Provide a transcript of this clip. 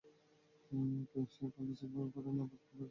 সে call রিসিভও করেনি, আবার কল ব্যাকও করেনি।